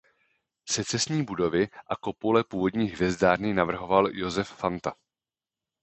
Secesní budovy a kopule původní hvězdárny navrhoval Josef Fanta.